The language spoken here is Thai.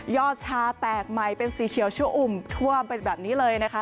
ชาแตกใหม่เป็นสีเขียวชั่วอุ่มท่วมเป็นแบบนี้เลยนะคะ